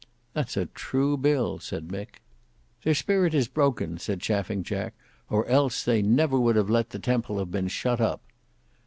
"That's a true bill," said Mick. "Their spirit is broken," said Chaffing Jack, "or else they never would have let the Temple have been shut up."